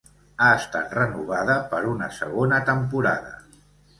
Ha estat renovada per una segona temporada.